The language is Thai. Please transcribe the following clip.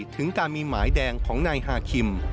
ถึงการมีหมายแดงของนายฮาคิม